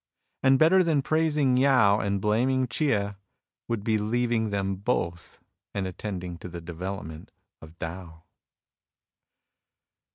And better than praising Yao * and blaming Chieh* would be leaving them both and attending to the development of Tao.